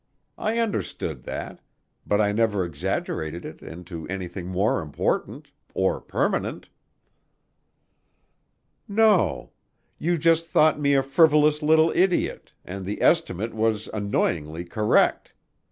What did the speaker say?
I understood that, but I never exaggerated it into anything more important or permanent." "No. You just thought me a frivolous little idiot, and the estimate was annoyingly correct.